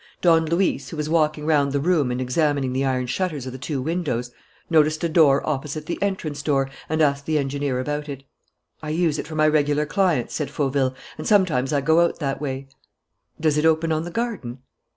Don Luis, who was walking round the room and examining the iron shutters of the two windows, noticed a door opposite the entrance door and asked the engineer about it. "I use it for my regular clients," said Fauville, "and sometimes I go out that way." "Does it open on the garden?"